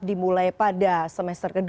dimulai pada semester ke dua